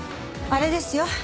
あれですよ。